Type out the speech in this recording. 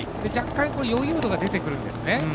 若干、余裕度が出てくるんですね。